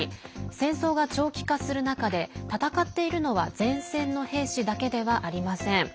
戦争が長期化する中で戦っているのは前線の兵士だけではありません。